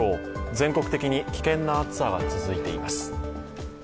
全国的に危険な暑さが続いています。